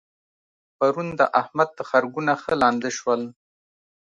پرون د احمد تخرګونه ښه لانده شول.